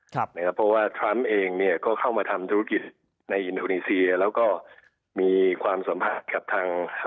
เพราะว่าทรัมอย่างเองก็เข้ามาทำธุรกิจในอุทงธุมิเซียแล้วมีความสัมผ่า